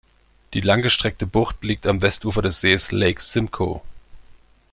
Die langgestreckte Bucht liegt am Westufer des Sees Lake Simcoe.